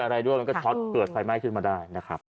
อะไรด้วยมันก็ช็อตเกิดไฟไหม้ขึ้นมาได้นะครับ